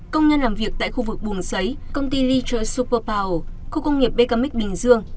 công nhân làm việc tại khu vực bùng xấy công ty leisure superpower khu công nghiệp becamix bình dương